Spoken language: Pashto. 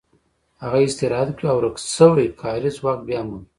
هغه استراحت کوي او ورک شوی کاري ځواک بیا مومي